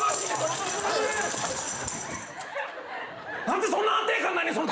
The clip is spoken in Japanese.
何でそんな安定感ないねん